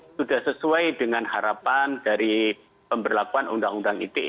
sudah sesuai dengan harapan dari pemberlakuan undang undang ite